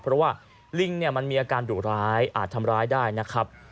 เพราะว่าลิงเนี่ยมันมีอาการดุร้ายอาจทำร้ายได้นะครับ